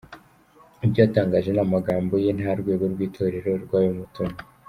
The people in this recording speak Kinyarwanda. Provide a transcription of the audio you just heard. Ibyo yatangaje ni amagambo ye nta rwego rw’Itorero rwabimutumye.